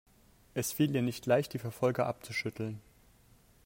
Es fiel ihr nicht leicht, die Verfolger abzuschütteln.